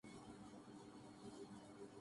میرا جسم ٹوٹ چکا تھا